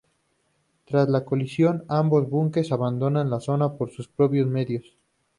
Tras la colisión, ambos buques, abandonaron la zona por sus propios medios.